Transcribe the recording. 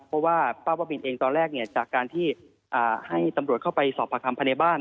เพราะว่าป้าบ้าบินเองตอนแรกจากการที่ให้ตำรวจเข้าไปสอบประคำภายในบ้าน